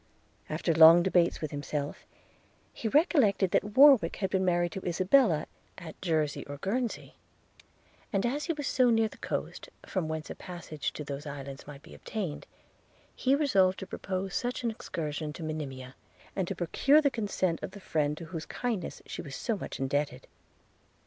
After long debates with himself, he recollected that Warwick had been married to Isabella at Jersey or Guernsey; and as he was so near the coast, from whence a passage to those islands might be obtained, he resolved to propose such an excursion to Monimia, and to procure the consent of the friend to whose kindness she was so much indebted.